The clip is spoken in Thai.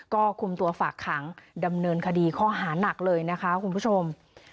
ก็คุมตัวฝากขังดำเนินคดีข้อหานักเลยนะคะคุณผู้ชม